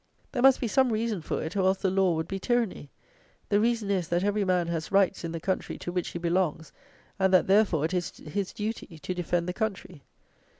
There must be some reason for it, or else the law would be tyranny. The reason is, that every man has rights in the country to which he belongs; and that, therefore, it is his duty to defend the country.